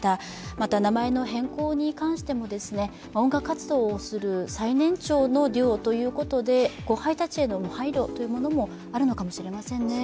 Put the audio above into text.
また名前の変更に関しても音楽活動をする最年長のデュオということで後輩たちへの配慮というのもあるのかもしれませんね。